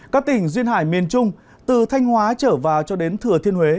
các tỉnh duyên hải miền trung từ thanh hóa trở vào cho đến thừa thiên huế